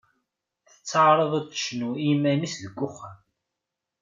Tettaɛraḍ ad tecnu i yiman-is deg uxxam.